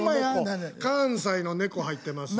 関西の猫入ってます。